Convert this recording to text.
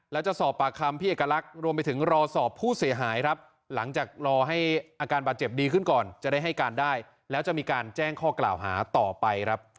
แล้วจะสอบปากคำพี่เอกลักษณ์รวมไปถึงรอสอบผู้เสียหายครับหลังจากรอให้อาการบาดเจ็บดีขึ้นก่อนจะได้ให้การได้แล้วจะมีการแจ้งข้อกล่าวหาต่อไปครับ